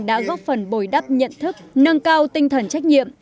đã góp phần bồi đắp nhận thức nâng cao tinh thần trách nhiệm